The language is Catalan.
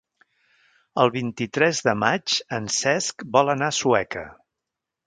El vint-i-tres de maig en Cesc vol anar a Sueca.